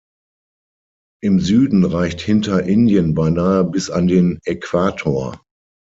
Im Süden reicht Hinterindien beinahe bis an den Äquator.